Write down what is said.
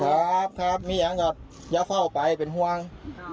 ครับครับเมียอย่าเฝ้าไปเป็นห่วง